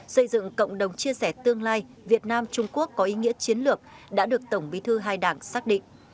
xây dựng cộng đồng chia sẻ tương lai việt nam trung quốc có ý nghĩa chiến lược đã được tổng bí thư hai đảng xác định